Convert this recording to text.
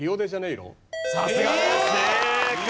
さすがです正解。